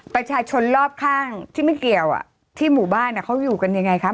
ประชาชนรอบข้างที่ไม่เกี่ยวที่หมู่บ้านเขาอยู่กันยังไงคะ